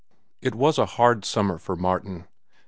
It was a hard summer for Martin.